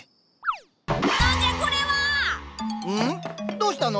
どうしたの？